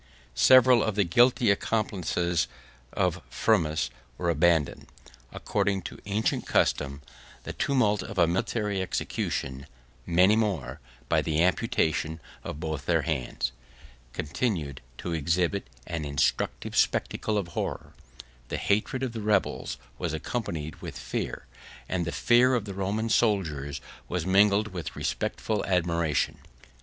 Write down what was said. Several of the guilty accomplices of Firmus were abandoned, according to ancient custom, to the tumult of a military execution; many more, by the amputation of both their hands, continued to exhibit an instructive spectacle of horror; the hatred of the rebels was accompanied with fear; and the fear of the Roman soldiers was mingled with respectful admiration.